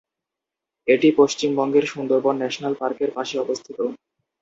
এটি পশ্চিমবঙ্গের সুন্দরবন ন্যাশনাল পার্কের পাশে অবস্থিত।